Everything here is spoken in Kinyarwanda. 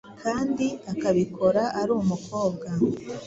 kandi akabikora ari umukobwa